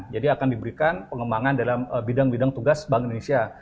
jadi akan diberikan pengembangan dalam bidang bidang tugas bank indonesia